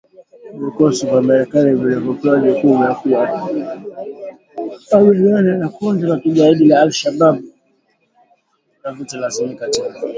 Vikosi vya Marekani vilivyopewa jukumu la kukabiliana na kundi la kigaidi la al-Shabab havitalazimika tena